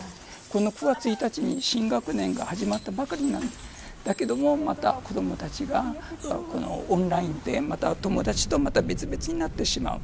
この９月１日に新学年が始まったばかりなのにだけども、また子どもたちがオンラインで友達と別々になってしまう。